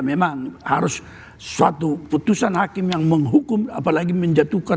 karena di dalam pidana ya memang harus suatu putusan hakim yang menghukum apalagi menjatuhkan